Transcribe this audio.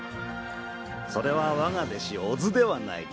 それはわが弟子小津ではないかい？